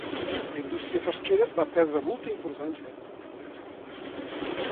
La indústria pesquera va perdre molta importància.